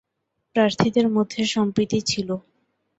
প্রার্থীদের মধ্যে সম্প্রীতি ছিল।